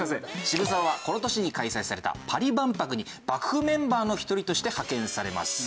渋沢はこの年に開催されたパリ万博に幕府メンバーの１人として派遣されます。